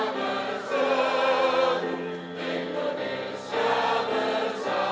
bersih merakyat kerja